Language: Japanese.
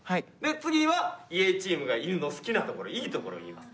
次はＹｅａｈチームが犬の好きなところいいところを言います。